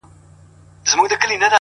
o د زړگي غوښي مي د شپې خوراك وي،